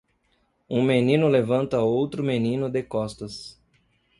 Um menino levanta outro menino de costas.